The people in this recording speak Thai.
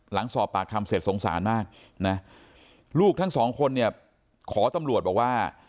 หลังสอบปากคำเสร็จสงสารมากนะลูกทั้งสองคนเนี่ยขอตำรวจบอกว่า